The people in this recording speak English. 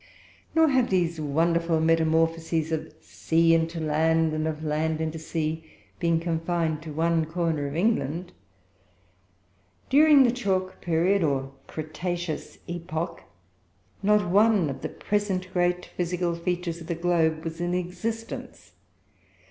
Nor have these wonderful metamorphoses of sea into land, and of land into sea, been confined to one corner of England. During the chalk period, or "cretaceous epoch," not one of the present great physical features of the globe was in existence.